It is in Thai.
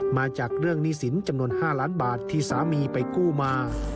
มาจากเรื่องหนี้สินจำนวน๕ล้านบาทที่สามีไปกู้มา